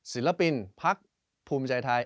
ศิลปินพักภูมิใจไทย